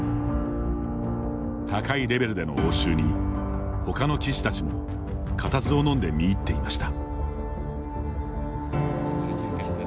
高いレベルでの応酬にほかの棋士たちも固唾をのんで見入っていました。